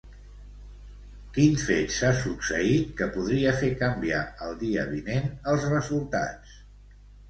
Quin fet s'ha succeït que podria fer canviar el dia vinent els resultats?